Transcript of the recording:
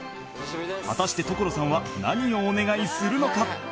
果たして所さんは何をお願いするのか？